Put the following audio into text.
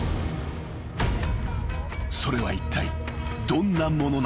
［それはいったいどんなものなのか？］